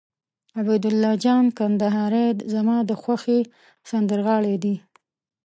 عبیدالله جان کندهاری زما د خوښې سندرغاړی دي.